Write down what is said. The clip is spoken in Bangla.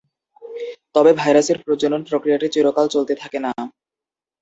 তবে ভাইরাসের প্রজনন প্রক্রিয়াটি চিরকাল চলতে থাকে না।